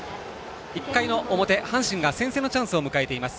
１回の表、阪神が先制のチャンスを迎えています。